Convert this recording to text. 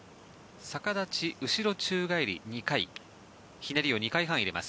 逆立ち後ろ宙返り２回ひねりを２回入れます。